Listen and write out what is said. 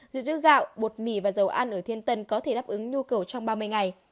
dưới gạo bột mì và dầu ăn ở thiên tân có thể đáp ứng nhu cầu trong ba mươi ngày